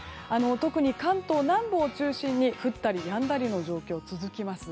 特に関東南部を中心に降ったりやんだりの状況続きます。